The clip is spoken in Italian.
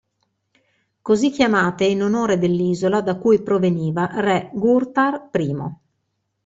Così chiamate in onore dell'isola da cui proveniva re Ghurtar I.